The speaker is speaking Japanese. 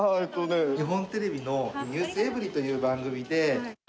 日本テレビのｎｅｗｓｅｖｅｒｙ．という番組で。